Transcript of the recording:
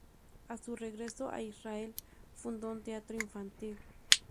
A su regreso a Israel fundó un teatro infantil.